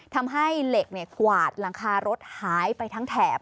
ทำให้เหล็กกวาดหลังคารถหายไปทั้งแถบ